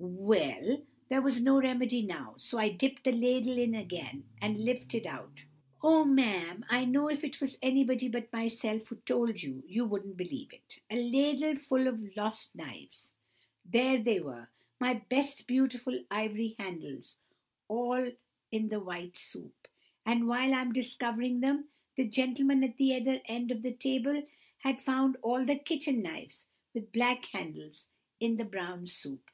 "Well—there was no remedy now, so I dipped the ladle in again, and lifted out—oh! ma'am, I know if it was anybody but myself who told you, you wouldn't believe it—a ladleful of the lost knives! There they were, my best beautiful ivory handles, all in the white soup! And while I was discovering them, the gentleman at the other end of the table had found all the kitchen knives, with black handles, in the brown soup!